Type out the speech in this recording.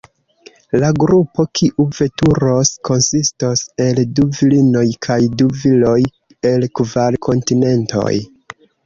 La grupo, kiu veturos, konsistos el du virinoj kaj du viroj, el kvar kontinentoj.